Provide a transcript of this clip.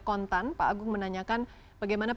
kontan pak agung menanyakan bagaimana